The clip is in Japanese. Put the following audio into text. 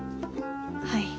はい。